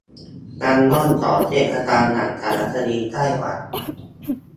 นำร่องก่อนเทศกาลหนังสารคดีไต้หวัน